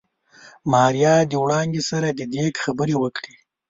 ماريا د وړانګې سره د ديګ خبرې وکړې.